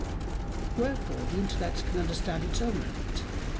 Wherefore the intellect can understand its own act.